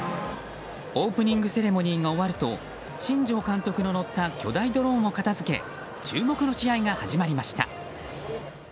オープニングセレモニーが終わると新庄監督の乗った巨大ドローンを片付け注目の試合が始まりました。